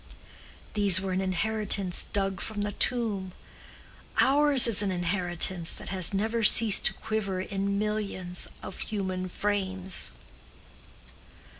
These were an inheritance dug from the tomb. Ours is an inheritance that has never ceased to quiver in millions of human frames."